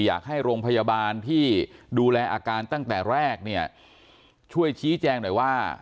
อยากให้โรงพยาบาลที่ดูแลอาการตั้งแต่แรกเนี่ยช่วยชี้แจงหน่อยว่า